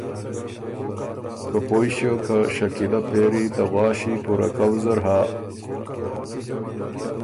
که پویٛݭیوک که شکیلۀ پېری ته غواݭی پُورۀ کؤ زر هۀ۔